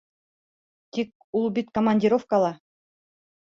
Тик ул бит командировкала.